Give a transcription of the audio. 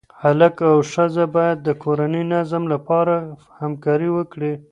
هلک او ښځه باید د کورني نظم لپاره همکاري وکړي.